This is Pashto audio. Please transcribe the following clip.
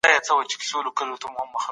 موږ ښوونځي ته پر وخت ځو.